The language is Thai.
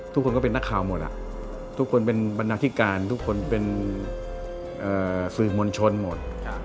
ทุกคนก็เป็นนักข่าวหมดทุกคนเป็นบรรณาธิการทุกคนเป็นสื่อมวลชนหมด